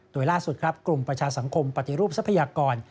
โดยล่าสุดครับกลุ่มประชาสังคมปฏิรูปทรัพยากร